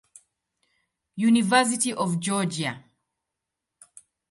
University of Georgia.